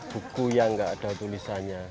buku yang gak ada tulisannya